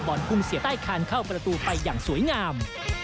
พุ่งเสียใต้คานเข้าประตูไปอย่างสวยงาม